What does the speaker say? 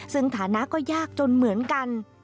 ซึ่งฐานะก็ยากจนเหมือนกัน